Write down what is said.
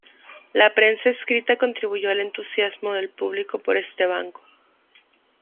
La prensa escrita contribuyó al entusiasmo del público por este banco.